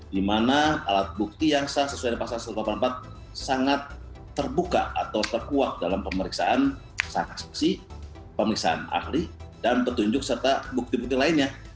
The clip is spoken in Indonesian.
di mana alat bukti yang sah sesuai dengan pasal satu ratus delapan puluh empat sangat terbuka atau terkuat dalam pemeriksaan saksi pemeriksaan ahli dan petunjuk serta bukti bukti lainnya